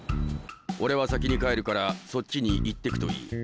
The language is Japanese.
俺は先に帰るからそっちに行ってくといい。